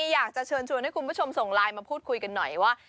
อยากจะเชิญชวนให้คุณผู้ชมส่งไลน์มาพูดคุยกันหน่อยว่า